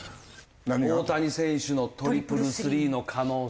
大谷選手のトリプルスリーの可能性。